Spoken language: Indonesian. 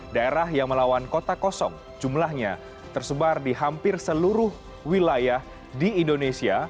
daerah yang melawan kota kosong jumlahnya tersebar di hampir seluruh wilayah di indonesia